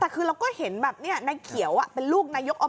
แต่คือเราก็เห็นแบบนี้นายเขียวเป็นลูกนายกอบ